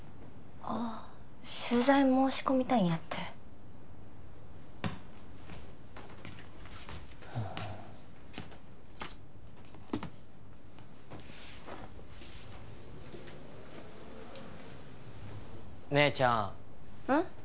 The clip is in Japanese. ああ取材申し込みたいんやって姉ちゃんうん？